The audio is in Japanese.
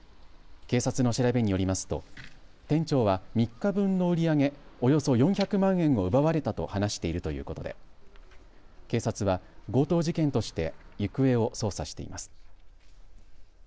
警察の調べによりますと店長は３日分の売り上げおよそ４００万円を奪われたと話しているということで警察は強盗事件として行方を捜査しています。